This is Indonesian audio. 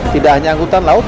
tidak hanya angkutan laut